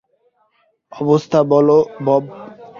অবস্থা বলো, বব।